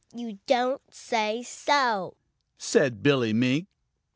"You don't say so!" said Billy Mink.